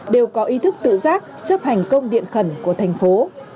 đều có ý thức tự giác chấp hành công điện khẩn của thành phố